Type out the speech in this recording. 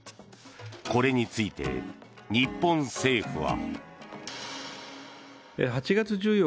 これについて日本政府は。